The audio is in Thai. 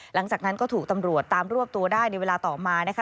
หลังจากนั้นก็ถูกตำรวจตามรวบตัวได้ในเวลาต่อมานะคะ